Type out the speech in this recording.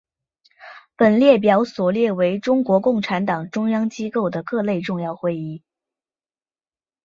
本列表所列为中国共产党中央机构的各类重要会议。